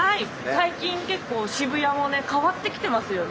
最近結構渋谷もね変わってきてますよね。